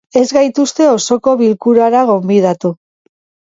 Ez gaituzte osoko bilkurara gonbidatu.